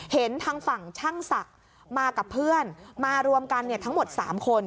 เห็นทางฝั่งช่างศักดิ์มากับเพื่อนมารวมกันทั้งหมด๓คน